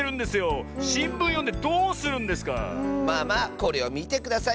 まあまあこれをみてください。